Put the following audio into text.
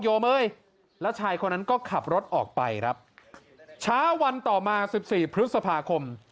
โยเม้ยแล้วชายคนนั้นก็ขับรถออกไปครับช้าวันต่อมาสิบสี่พฤษภาคม